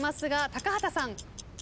高畑さん。